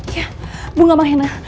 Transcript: ya bunga mahena